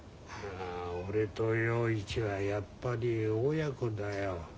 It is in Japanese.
俺と洋一はやっぱり親子だよ。